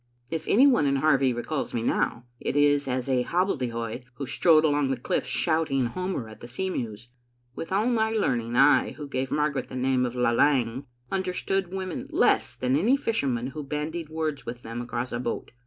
"If any one in Harvie recalls me now, it is as a hobbledehoy who strode along the cliffs, shouting Homer at the sea mews. With all my learning, I, who gave Margaret the name of Lalage, understood women less than any fisherman who bandied words with them across a boat.